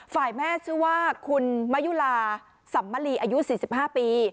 ฝ่ายแม่ชื่อว่าคุณมะยุลาสัมมลีอายุ๔๕ปี